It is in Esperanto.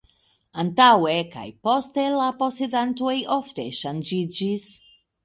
Antaŭe kaj poste la posedantoj ofte ŝanĝiĝis.